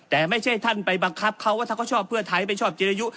แต่ไม่ใช่ท่านไปบังคับเขาว่าถ้าเขาชอบเพื่อไทยไม่ชอบจิรยุ